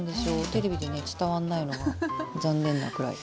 テレビでね伝わんないのが残念なくらい。